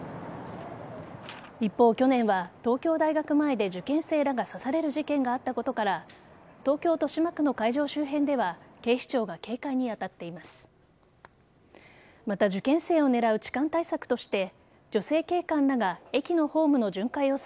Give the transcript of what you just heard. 一方、去年は東京大学前で受験生らが刺される事件があったことから東京・豊島区の会場周辺では警視庁が警戒に当たっています。